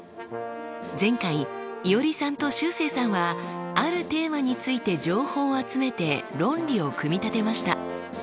前回いおりさんとしゅうせいさんはあるテーマについて情報を集めて論理を組み立てました。